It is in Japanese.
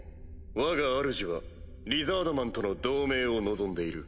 わがあるじはリザードマンとの同盟を望んでいる。